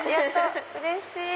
うれしい！